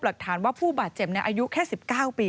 หลักฐานว่าผู้บาดเจ็บอายุแค่๑๙ปี